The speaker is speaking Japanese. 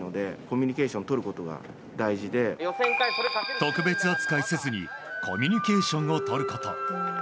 特別扱いせずにコミュニケーションをとること。